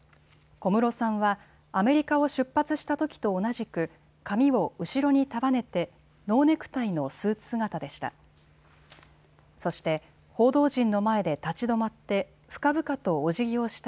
小室さんはアメリカを出発したときと同じく髪を後ろに束ねてノーネクタイのスーツ姿でした。